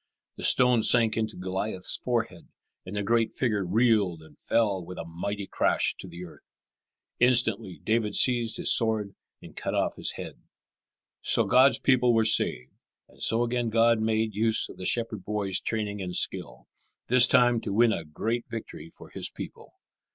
The stone sank into Goliath's forehead, and the great figure reeled and fell with a mighty crash to the earth. Instantly David seized his sword and cut off his head. [Illustration: David seized his sword and cut off his head.] So God's people were saved, and so again God made use of the shepherd boy's training and skill, this time to win a great victory for His people.